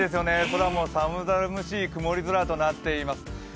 空も寒々しい曇り空となっています。